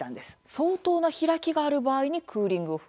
相当な開きがある場合にクーリング・オフ。